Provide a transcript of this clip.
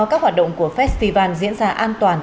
các hoạt động của festival diễn ra an toàn